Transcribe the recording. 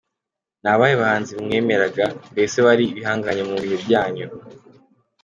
Ni abahe bahanzi mwemeraga, mbese bari ibihangange mu bihe byanyu?.